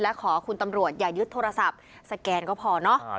และขอคุณตำรวจอย่ายึดโทรศัพท์สแกนก็พอเนาะ